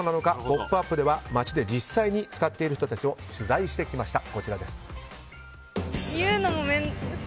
「ポップＵＰ！」では街で実際に使っている人たちを取材してきました。